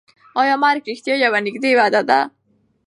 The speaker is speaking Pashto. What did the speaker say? ایا مرګ رښتیا یوه نږدې وعده ده؟